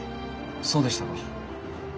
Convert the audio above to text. そうでしたか。